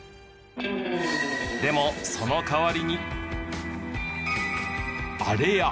でもその代わりにあれや。